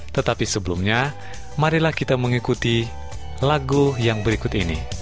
tetapi sebelumnya marilah kita mengikuti lagu yang berikut ini